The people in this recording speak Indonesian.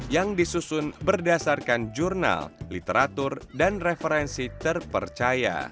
yang disusun berdasarkan jurnal literatur dan referensi terpercaya